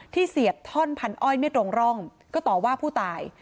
เสียบท่อนพันอ้อยไม่ตรงร่องก็ต่อว่าผู้ตาย